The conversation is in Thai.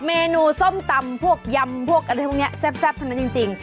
เมนูส้มตำพวกยำพวกอะไรพวกนี้แซ่บเท่านั้นจริง